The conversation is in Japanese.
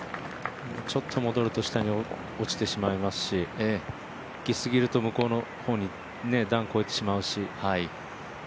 ちょっと戻ると下に落ちてしまいますし行きすぎると向こうの方に段越えてしまいますし。